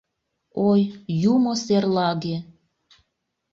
Ой, юмо серлаге!